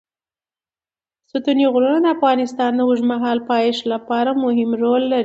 ستوني غرونه د افغانستان د اوږدمهاله پایښت لپاره مهم رول لري.